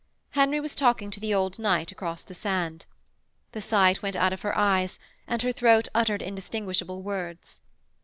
Henry was talking to the old knight across the sand. The sight went out of her eyes and her throat uttered indistinguishable words.